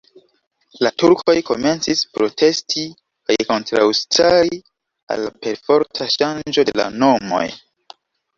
La turkoj komencis protesti kaj kontraŭstari al la perforta ŝanĝo de la nomoj.